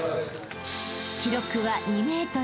［記録は２ｍ７］